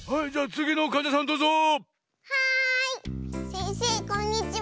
せんせいこんにちは。